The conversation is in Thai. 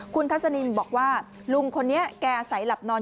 คุณทัศนินบอกว่าลุงคนนี้แกอาศัยหลับนอน